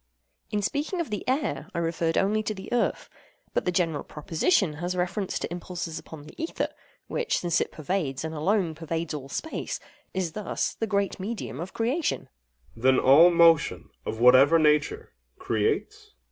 In speaking of the air, I referred only to the earth; but the general proposition has reference to impulses upon the ether—which, since it pervades, and alone pervades all space, is thus the great medium of creation. OINOS. Then all motion, of whatever nature, creates? AGATHOS.